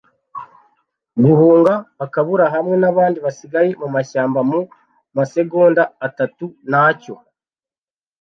guhunga ukabura hamwe nabandi basigaye mumashyamba. Mu masegonda atatu ntacyo